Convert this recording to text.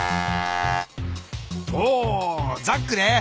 おおザックね。